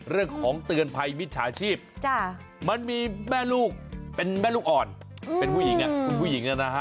เรื่องของเตือนภัยมิจฉาชีพมันมีแม่ลูกเป็นแม่ลูกอ่อนเป็นผู้หญิงเนี่ยคุณผู้หญิงนะฮะ